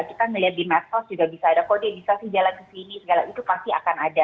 kita melihat di medsos juga bisa ada kode bisa sih jalan kesini segala itu pasti akan ada